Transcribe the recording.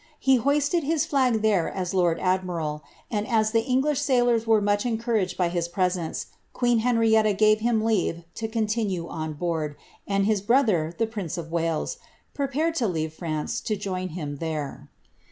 He hoisted his flag there as lord admiral; and as the English sailors were much encouraged by his presence, queen Henrietta gave iiim leave to continue on board ; and his brother, the prince of Wales, pre pared to leave France, to join him there.